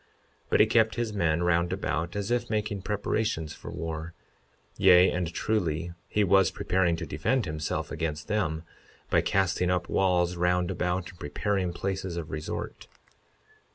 52:6 But he kept his men round about, as if making preparations for war; yea, and truly he was preparing to defend himself against them, by casting up walls round about and preparing places of resort.